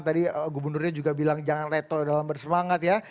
tadi gubernurnya juga bilang jangan retol dalam bersemangat ya